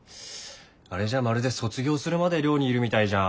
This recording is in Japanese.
あれじゃまるで卒業するまで寮にいるみたいじゃん。